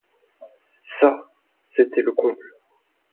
Ça, c’était le comble.